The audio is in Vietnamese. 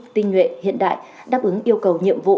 tinh nguyện hiện đại đáp ứng yêu cầu nhiệm vụ